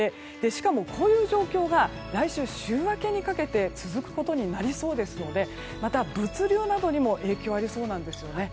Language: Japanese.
しかもこの状況が来週週明けにかけて続くことになりそうですのでまた物流などにも影響がありそうなんですよね。